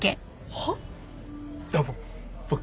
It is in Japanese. はっ？